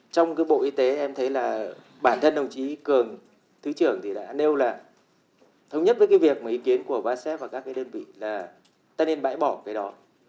trong cái bộ y tế em thấy là bản thân đồng chí cường thứ trưởng thì đã nêu là thống nhất với cái việc mà ý kiến của vasep và các cái đơn vị là ta nên bãi bỏ cái đó